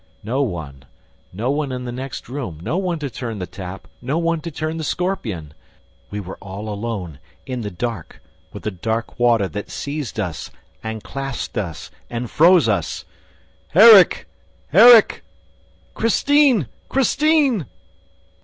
No one, no one in the next room, no one to turn the tap, no one to turn the scorpion! We were all alone, in the dark, with the dark water that seized us and clasped us and froze us! "Erik! Erik!" "Christine! Christine!"